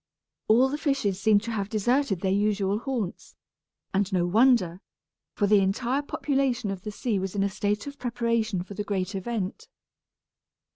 All the fishes seemed to have deserted their usual haunts; and no wonder, for the entire population of the sea was in a state of preparation for the great event.